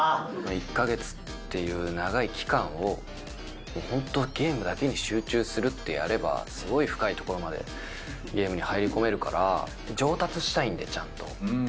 １か月っていう長い期間を本当ゲームだけに集中するってやれば、すごい深いところまでゲームに入り込めるから、上達したいんで、ちゃんと。